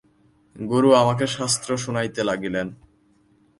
গুরু আমাকে শাস্ত্র শুনাইতে লাগিলেন।